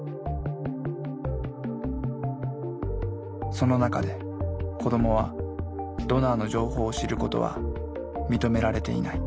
その中で子どもはドナーの情報を知ることは認められていない。